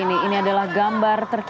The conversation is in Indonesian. dua gambar ini adalah gambar terbaru